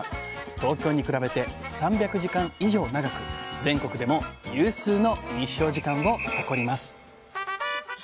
東京に比べて３００時間以上長く全国でも有数の日照時間を誇ります。